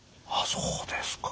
そうですか。